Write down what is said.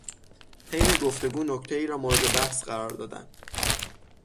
حین گفتگو نکتهای را مورد بحث قرار دادن